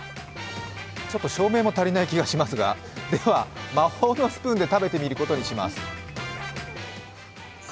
ちょっと照明も足りない気がしますが、魔法のスプーンで食べてみることにします。